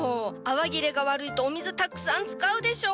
泡切れが悪いとお水たくさん使うでしょ！？